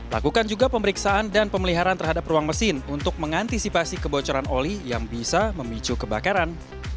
lakukan juga pemeriksaan dan pemeliharaan terhadap ruang mesin untuk mengantisipasi kebocoran oli yang bisa memicu kebakaran